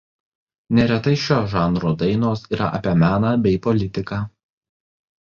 Neretai šio žanro dainos yra apie meną bei politiką.